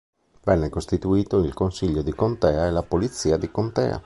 Venne costituito il consiglio di contea e la polizia di contea.